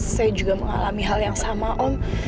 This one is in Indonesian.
saya juga mengalami hal yang sama om